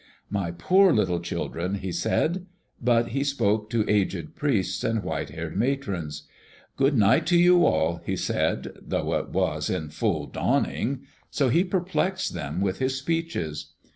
"My poor little children," he said. But he spoke to aged priests and white haired matrons. "Good night to you all," he said, though it was in full dawning. So he perplexed them with his speeches.